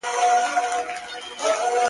د تورو شپو سپين څراغونه مړه ســول,